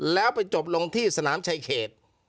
แล้วไปจบลงที่สนามชายเขต